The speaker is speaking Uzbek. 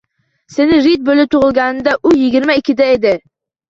Sen Rid bo`lib tug`ilganingda u yigirma ikkida edi